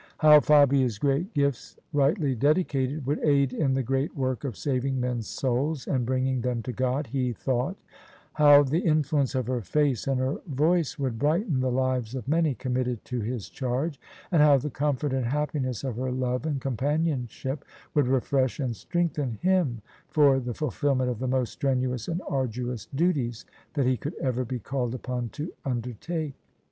How Fabia's great gifts rightly dedicated, would aid in the great work of saving men's souls and bringing them to God, he thought : how the influence of her face and her voice would THE SUBJECTION brighten the lives of many committed to his charge: and how the comfort and happiness of her love and ':om panionship would refresh and strengthen him for the ful filment of the most strenuous and arduous duties that he could ever be called upon to undertake!